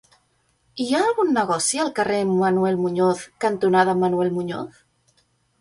Hi ha algun negoci al carrer Manuel Muñoz cantonada Manuel Muñoz?